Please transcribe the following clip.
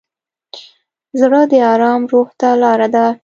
زړه د ارام روح ته لاره ده.